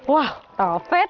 wow tỏ phết